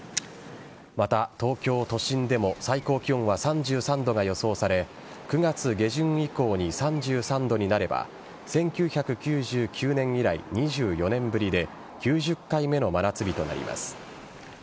また、東京都心でも最高気温は３３度が予想され９月下旬以降に３３度になれば１９９９年以来２４年ぶりで９０回目の真夏日となります。